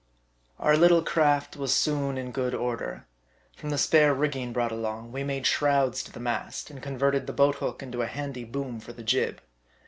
OUR little craft was soon in good order. From the spare rigging brought along, we made shrouds to the mast, and converted the boat hook into a handy boom for the jib.